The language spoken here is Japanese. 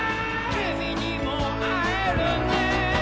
「君にも会えるね」